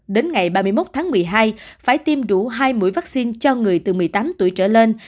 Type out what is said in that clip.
đến ngày ba mươi một tháng một mươi hai phải tiêm đủ hai mũi vaccine cho người từ một mươi tám tuổi trở lên